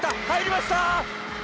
入りました。